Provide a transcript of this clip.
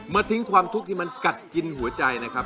ทิ้งความทุกข์ที่มันกัดกินหัวใจนะครับ